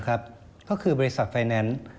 ก็คือบริษัทไฟแนนซ์